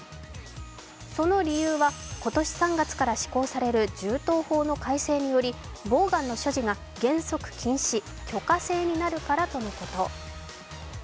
その理由は今年３月から施行される銃刀法の改正により、ボーガンの所持が原則禁止許可制になるからとのこと。